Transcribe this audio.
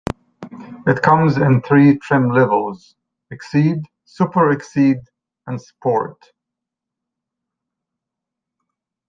It comes in three trim levels: Exceed, Super Exceed, and Sport.